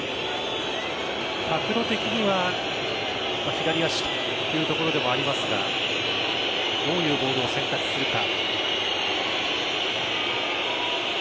角度的には左足というところでもありますがどういうボールを選択するか。